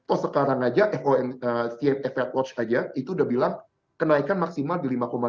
oh sekarang aja fomc ff watch aja itu udah bilang kenaikan maksimal di lima dua puluh lima